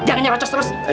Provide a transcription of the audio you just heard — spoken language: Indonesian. jangan nyapacos terus